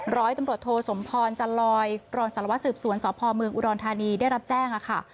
ร้อยตำรวจโทสมพรจันรอยรสลวสืบสวนสพมอุดรณฑานีได้รับแจ้งค่ะ